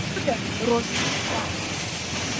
— Тудо — рожын умша!